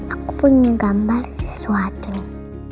aku punya gambar sesuatu